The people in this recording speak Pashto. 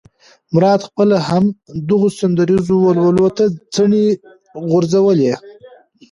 مراد خپله هم دغو سندریزو ولولو ته څڼې غورځولې.